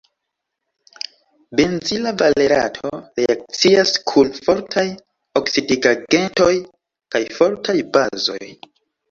Benzila valerato reakcias kun fortaj oksidigagentoj kaj fortaj bazoj.